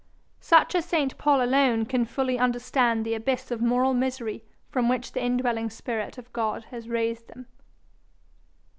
Such as St. Paul alone can fully understand the abyss of moral misery from which the in dwelling spirit of God has raised them.